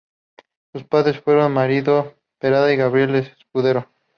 Sus padres fueron Mariano Pereda y Gabriela Escudero.